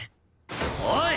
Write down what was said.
おい！